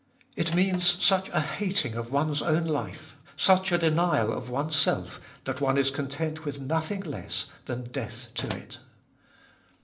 It means such a hating of one's own life, such a denial of one's self, that one is content with nothing less than death to it.